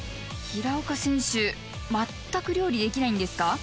平岡選手全く料理できないんですか？